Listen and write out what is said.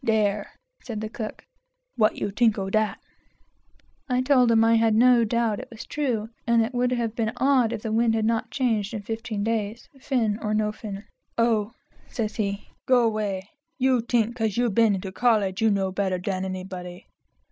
"There," said the cook, "what do you think o' dat?" I told him I had no doubt it was true, and that it would have been odd if the wind had not changed in fifteen days, Fin or no Fin. "Oh," says he, "go 'way! You think, 'cause you been to college, you know better than anybody.